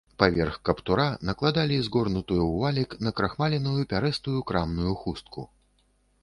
Паверх каптура накладалі згорнутую ў валік накрухмаленую пярэстую крамную хустку.